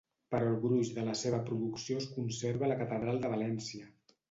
Però el gruix de la seva producció es conserva a la Catedral de València.